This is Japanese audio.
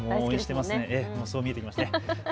そう見えてきましたね。